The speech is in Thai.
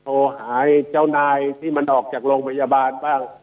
โทรหาเจ้านายที่มันออกจากโรงพยาบาลบ้าง